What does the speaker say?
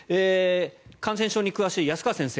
感染症に詳しい安川先生